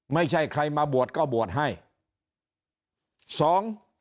ไม่ใช่ใครมาบวชก็บวชให้สอง